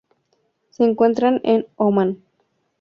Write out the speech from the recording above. Se encuentran en Omán.